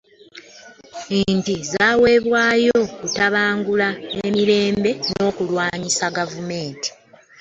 Nti zaaweebwayo okutabangula emirembe n'okulwanyisa gavumenti